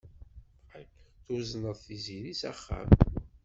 Tuzneḍ Tiziri s axxam.